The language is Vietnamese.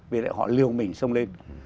vì họ liều mình sông lên